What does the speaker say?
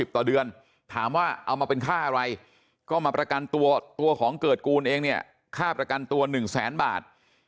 ต่อเดือนถามว่าเอามาเป็นค่าอะไรก็มาประกันตัวตัวของเกิดกูลเองเนี่ยค่าประกันตัว๑แสนบาท